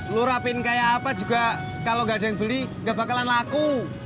lo rapiin kayak apa juga kalau engga ada yang beli engga bakalan laku